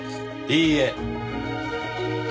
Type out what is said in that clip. いいえ。